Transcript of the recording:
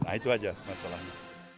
nah itu saja masalahnya